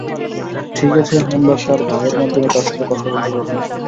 ঠিক আছে, আমরা তার ভাইয়ের মাধ্যমে তার সাথে কথা বলতে পারব।